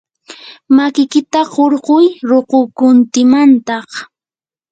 makikita qurquy ruqukuntimantaq.